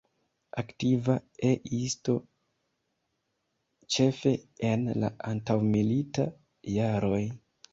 Aktiva E-isto ĉefe en la antaŭmilitaj jaroj.